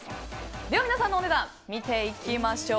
では、皆さんのお値段見ていきましょう。